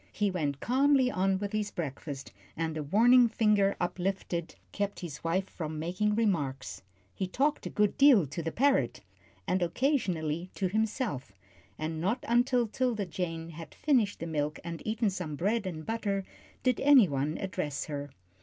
He went calmly on with his breakfast, and a warning finger uplifted kept his wife from making remarks. He talked a good deal to the parrot, and occasionally to himself, and not until 'Tilda Jane had finished the milk and eaten some bread and butter did any one address her.